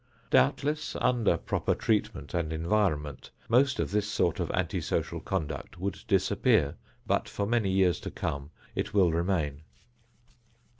Doubtless under proper treatment and environment most of this sort of anti social conduct would disappear, but for many years to come it will remain.